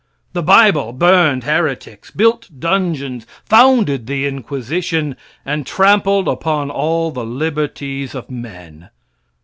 The bible burned heretics, built dungeons, founded the Inquisition, and trampled upon all the liberties of men.